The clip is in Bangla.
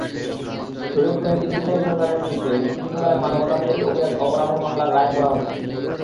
শরীয়তপুরের ইদ্রিস আলী সরদারের বিরুদ্ধে মুক্তিযুদ্ধকালের মানবতাবিরোধী অপরাধের মামলার রায় পড়া হচ্ছে।